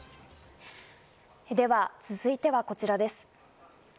では、続いてはこちらです。